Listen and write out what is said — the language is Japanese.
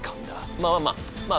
まあまあまあまあ